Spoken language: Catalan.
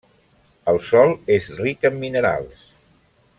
El sòl és ric en minerals.